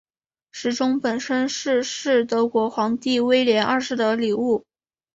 时钟本身是是德国皇帝威廉二世的礼物。